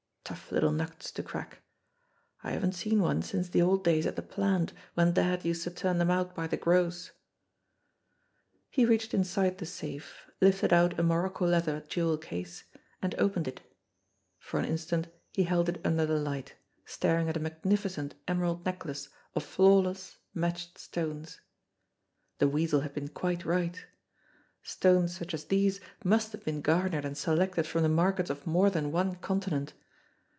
Tough little nuts to crack ! I haven't seen one since the old days at the plant when dad used to turn them out by the gross !" He reached inside the safe, lifted out a morocco leather jewel case, and opened it. For an instant he held it under the light, staring at a magnificent emerald necklace of flaw less, matched stones. The Weasel had been quite right! Stones such as these must have been garnered and selected from the markets of more than one continent.